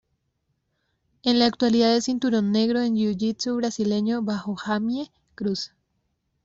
En la actualidad es cinturón negro en Jiu-Jitsu Brasileño bajo Jamie Cruz.